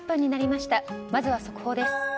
まずは速報です。